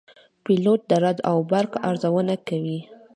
پیلوټ د رعد او برق ارزونه کوي.